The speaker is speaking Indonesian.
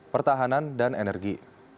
pertahanan dan energi